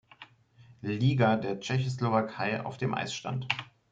Liga der Tschechoslowakei auf dem Eis stand.